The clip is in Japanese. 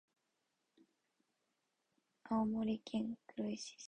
青森県黒石市